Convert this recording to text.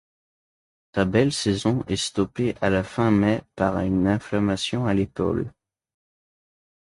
Sa belle saison est stoppée à la fin mai par une inflammation à l'épaule.